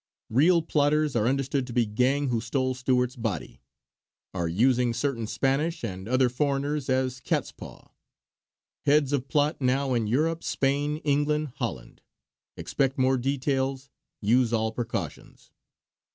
Real plotters are understood to be gang who stole Stewart's body. Are using certain Spanish and other foreigners as catspaw. Heads of plot now in Europe, Spain, England, Holland. Expect more details. Use all precautions."